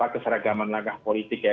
keseragaman langkah politik ya